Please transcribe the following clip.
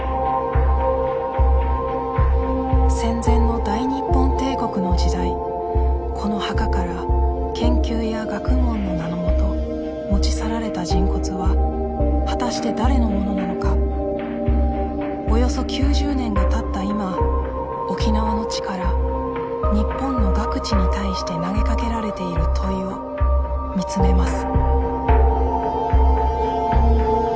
戦前の大日本帝国の時代この墓から研究や学問の名のもと持ち去られた人骨は果たして誰のものなのかおよそ９０年がたった今沖縄の地から日本の学知に対して投げかけられている問いを見つめます